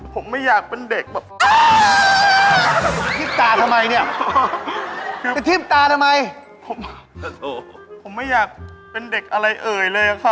ผมไม่อยากเป็นเด็ก